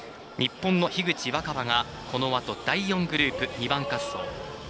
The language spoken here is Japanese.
日本の樋口新葉がこのあと第４グループ２番滑走。